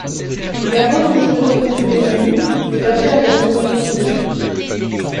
Mais avant que le jeune homme ne fût revenu, le berger avait rouvert les yeux.